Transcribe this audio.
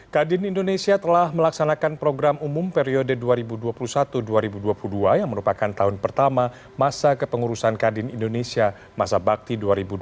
kadin indonesia telah melaksanakan program umum periode dua ribu dua puluh satu dua ribu dua puluh dua yang merupakan tahun pertama masa kepengurusan kadin indonesia masa bakti dua ribu dua puluh